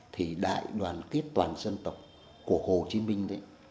thì đại đoàn kết toàn dân tộc của hồ chí minh đấy